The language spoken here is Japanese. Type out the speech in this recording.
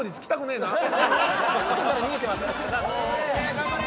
頑張れ！